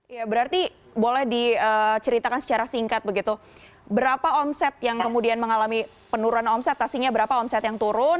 ya berarti boleh diceritakan secara singkat begitu berapa omset yang kemudian mengalami penurunan omset pastinya berapa omset yang turun